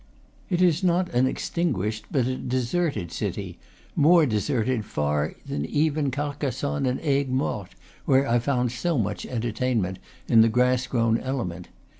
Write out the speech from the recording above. It is not an extinguished, but a deserted city; more deserted far than even Carcassonne and Aigues Mortes, where I found so much entertainment in the grass grown element.